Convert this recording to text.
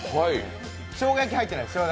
しょうが焼きは入ってないです。